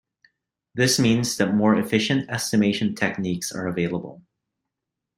This means that more efficient estimation techniques are available.